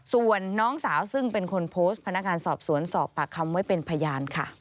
ส่วนน้องสาวซึ่งเป็นคนโพสต์พนักงานสอบสวนสอบปากคำไว้เป็นพยานค่ะ